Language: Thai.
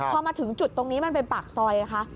พอมาถึงจุดตรงนี้มันเป็นปากซอยคะ